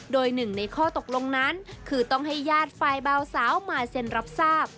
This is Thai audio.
โดยหนึ่งในข้อตกลงนั้นคือต้องให้ญาติฝ่ายเบาสาวมาเซ็นรับทราบ